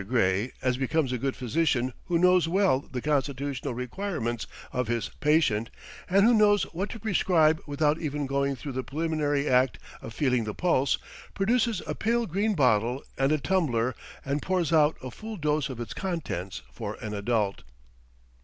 Gray, as becomes a good physician who knows well the constitutional requirements of his patient, and who knows what to prescribe without even going through the preliminary act of feeling the pulse, produces a pale green bottle and a tumbler and pours out a full dose of its contents for an adult.